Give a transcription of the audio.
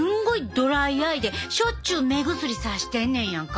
ドライアイでしょっちゅう目薬さしてんねんやんか。